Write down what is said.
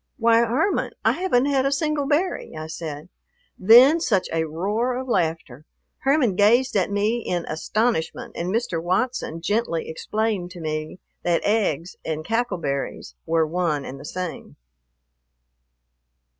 "Why, Herman, I haven't had a single berry," I said. Then such a roar of laughter. Herman gazed at me in astonishment, and Mr. Watson gently explained to me that eggs and cackle berries were one and the same.